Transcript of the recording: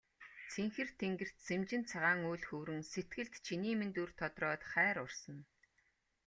Цэнхэр тэнгэрт сэмжин цагаан үүл хөврөн сэтгэлд чиний минь дүр тодроод хайр урсана.